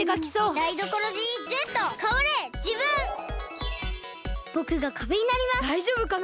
だいじょうぶかな？